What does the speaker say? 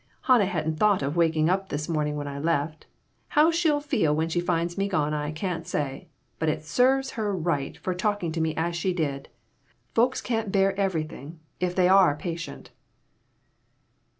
"Hannah hadn't thought of waking up this morning when I left. How she'll feel when she finds me gone I can't say. But it serves her right for talking to me as she did. Folks can't bear everything, if they are patient."